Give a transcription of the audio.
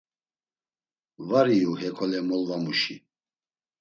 Var iyu hekole molvamuşi.